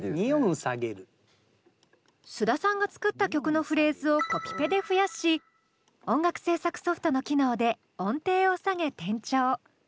須田さんが作った曲のフレーズをコピペで増やし音楽制作ソフトの機能で音程を下げ転調。